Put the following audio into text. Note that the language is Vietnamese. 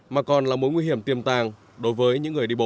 mà còn là mối nguy hiểm tiềm tàng đối với những người đi bộ